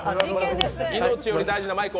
命より大事なマイク。